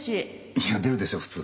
いや出るでしょ普通。